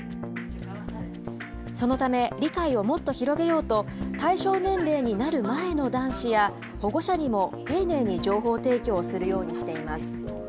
そのため理解をもっと広げようと、対象年齢になる前の男子や、保護者にも丁寧に情報提供をするようにしています。